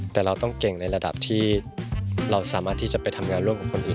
แต่เราต้องเก่งในระดับที่เราสามารถที่จะไปทำงานร่วมกับคนอื่น